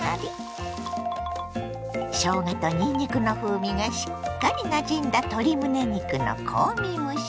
しょうがとにんにくの風味がしっかりなじんだ鶏むね肉の香味蒸し。